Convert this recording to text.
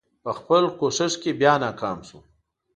په خپل کوښښ کې یا ناکام شو.